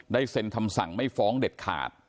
เซ็นคำสั่งไม่ฟ้องเด็ดขาด